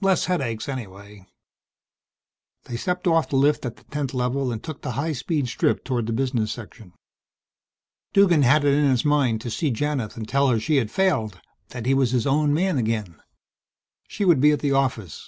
"Less headaches anyhow." They stepped off the lift at the 10th Level and took the high speed strip toward the business section. Duggan had it in his mind to see Janith and tell her she had failed that he was his own man again. She would be at the office.